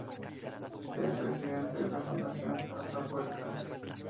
Es presidente de la Fundación Atapuerca.